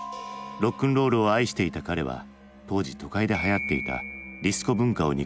ロックンロールを愛していた彼は当時都会ではやっていたディスコ文化を憎み